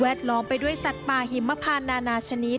ล้อมไปด้วยสัตว์ป่าหิมพานนานาชนิด